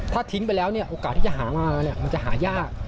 ถ้าทิ้งไปแล้วเนี่ยโอกาสที่จะหามามันจะหายาก